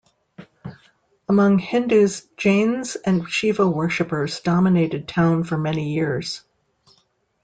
Among Hindus, Jains and Shiva worshipers dominated town for many years.